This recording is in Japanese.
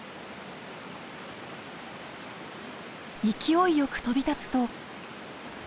勢いよく飛び立つと。